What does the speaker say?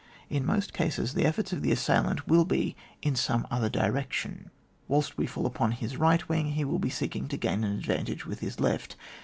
In most cases, the efforts of the assailant will be in some other direction; whilst we fall upon his right wing, he will be seeking to gain an advantage with his left.